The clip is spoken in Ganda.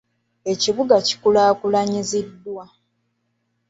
Ekibuga kikulaakulanyiziddwa.